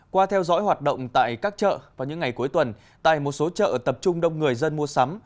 qua theo dõi hoạt động tại các chợ vào những ngày cuối tuần tại một số chợ tập trung đông người dân mua sắm